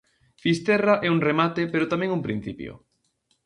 Fisterra é un remate pero tamén un principio.